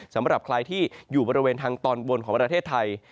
สำหรับใครที่อยู่บริเวณทางตอนบนของประเทศไทย